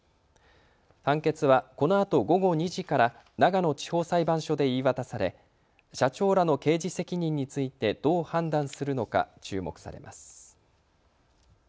判決はこのあと午後２時から長野地方裁判所で言い渡され社長らの刑事責任についてどう判断するのか注目されます。